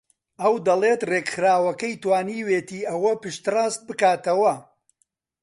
ئەو دەڵێت ڕێکخراوەکەی توانیویەتی ئەوە پشتڕاست بکاتەوە